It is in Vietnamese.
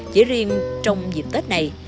chỉ riêng trong dịp tết này